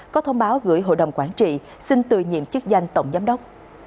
có thông báo gửi hội đồng quản trị xin tự nhiệm chức danh tổng giám đốc